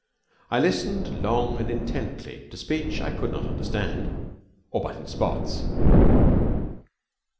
I listened long and intently to speech I could not understand or but in spots.